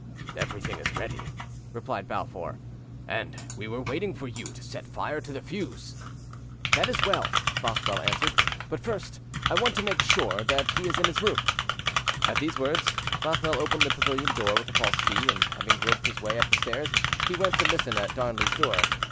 "Everything is ready," replied Balfour, "and we were waiting for you to set fire to the fuse". "That is well," Bothwell answered—"but first I want to make sure that he is in his room." At these words, Bothwell opened the pavilion door with a false key, and, having groped his way up the stairs; he went to listen at Darnley's door.